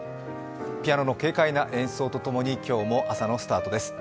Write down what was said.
ピアノの軽快な演奏と共に、今日も朝のスタートです。